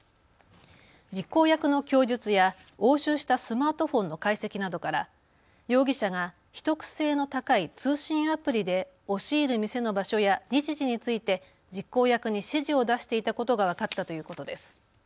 実行役の供述や押収したスマートフォンの解析などから容疑者が秘匿性の高い通信アプリで押し入る店の場所や日時について実行役に指示を出していたことが分かったということです。